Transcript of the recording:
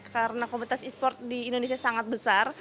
karena kompetensi esport di indonesia sangat besar